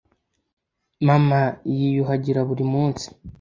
Mama yiyuhagira buri munsi.